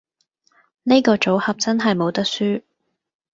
呢個組合真係冇得輸